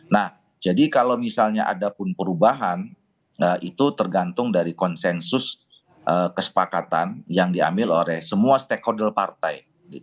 nah jadi kalau misalnya ada pun perubahan itu tergantung dari konsensus kesepakatan yang diambil oleh semua stakeholder partai